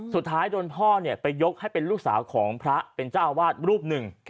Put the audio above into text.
สุดท้ายโดนพ่อไปยกให้เป็นลูกสาวของพระเป็นเจ้าอาวาสรูปหนึ่ง